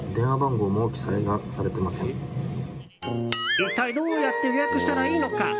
一体どうやって予約したらいいのか。